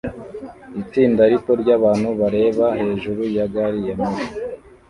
Itsinda rito ryabantu bareba hejuru ya gari ya moshi